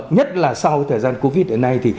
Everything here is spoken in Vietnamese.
nhất là sau thời gian covid hiện nay